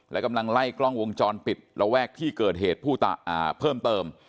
และกำลังไล่กล้องวงจรปิดระแวกที่เกิดเหตุผู้เพิ่มเติม